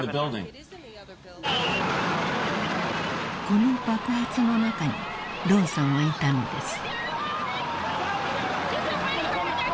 ［この爆発の中にロンさんはいたのです］